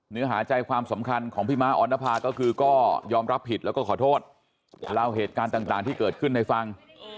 เนื้อหาใจความสำคัญของพี่ม้าออนภาก็คือก็ยอมรับผิดแล้วก็ขอโทษเล่าเหตุการณ์ต่างที่เกิดขึ้นให้ฟัง